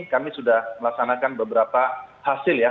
kami sudah melaksanakan beberapa hasil ya